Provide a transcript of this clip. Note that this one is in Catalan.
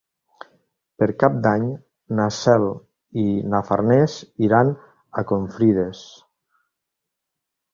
Per Cap d'Any na Cel i na Farners iran a Confrides.